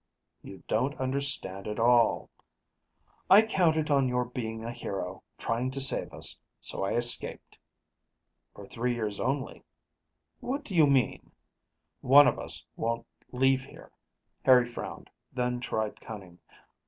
"You don't understand at all " "I counted on your being a hero, trying to save us. So, I escaped." "For three years only." "What do you mean?" "One of us won't leave here." Harry frowned, then tried cunning.